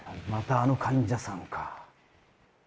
またあの患者さんか。